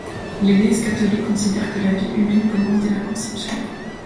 L'Église catholique considère que la vie humaine commence dès la conception.